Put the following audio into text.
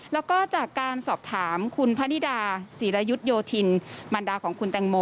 แล้วก็จากการสอบถามคุณพนิดาศิรยุทธโยธินมันดาของคุณแตงโม